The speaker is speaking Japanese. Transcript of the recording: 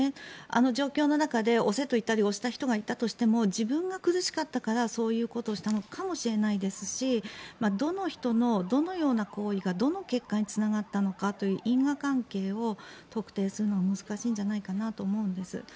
あの状況の中で押せと言ったり押した人がいたとしても自分が苦しかったからそういうことをしたのかもしれないですしどの人のどのような行為がどの結果につながったのかという因果関係を特定するのは難しいんじゃないかなと思うんです。